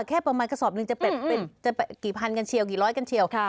แค่ประมาณกระสอบหนึ่งจะกี่พันกันเชียวกี่ร้อยกันเชียว